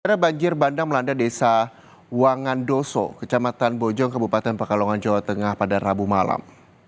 era banjir bandang melanda desa wangan doso kecamatan bojong kabupaten pekalongan jawa tengah pada rabu malam